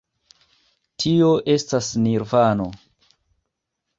Tio estas Nirvano.